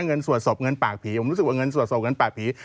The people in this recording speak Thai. สวดศพเงินปากผีผมรู้สึกว่าเงินสวดศพเงินปากผี